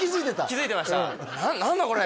気づいてました何だこれ？